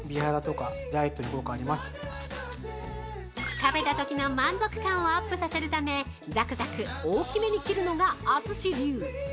◆食べたときの満足感をアップさせるためざくざく大きめに切るのがＡｔｓｕｓｈｉ流。